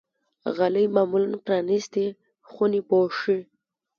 غالۍ معمولا پرانيستې خونې پوښي.